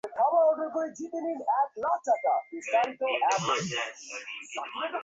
তবে তাঁরা একই সঙ্গে অপছন্দ করেন সন্ত্রাস, চাঁদাবাজি, দখলবাজি।